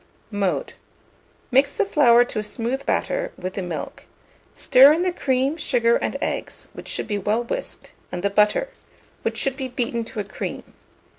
Mode. Mix the flour to a smooth batter, with the milk; stir in the cream, sugar, the eggs, which should be well whisked, and the butter, which should be beaten to a cream.